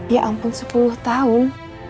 ya ampun sepuluh tahun